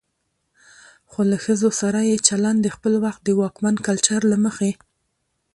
خو له ښځو سره يې چلن د خپل وخت د واکمن کلچر له مخې